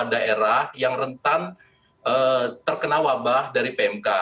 daerah yang rentan terkena wabah dari pmk